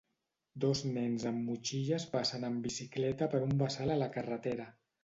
Dos nens amb motxilles passen en bicicleta per un bassal a la carretera.